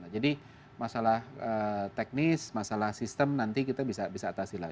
jadi masalah teknis masalah sistem nanti kita bisa atasi lah